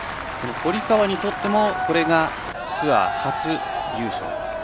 堀川にとってもこれがツアー初優勝。